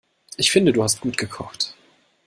Ich finde du hast gut gekocht.